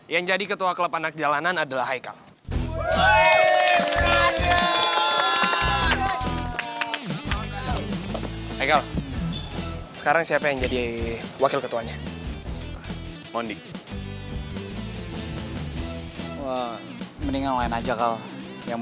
yang cewek cewek bagiin kertas sama pulpen pulpennya ya